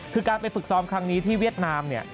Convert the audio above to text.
คือการไปฝึกซ้อมครั้งนี้ที่เวียดนามเนี่ย